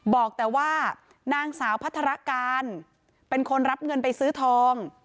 บอกแต่ว่านางสาวพัฒนาการเป็นคนรับเงินไปซื้อทอง